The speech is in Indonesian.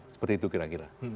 seperti itu kira kira